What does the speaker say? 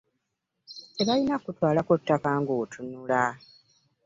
Tebalina kutwalako ttaka nga otunula.